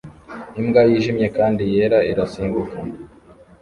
Imbwa yijimye kandi yera irasimbuka